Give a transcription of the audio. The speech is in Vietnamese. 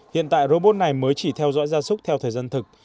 hiện tại robot này mới chỉ theo dõi gia súc theo thời gian thực